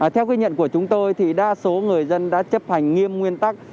theo ghi nhận của chúng tôi thì đa số người dân đã chấp hành nghiêm nguyên tắc